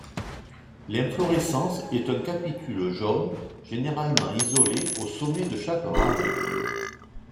L'inflorescence est un capitule jaune, généralement isolé au sommet de chaque rameau.